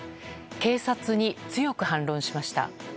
警察に強く反論しました。